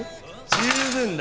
十分だ。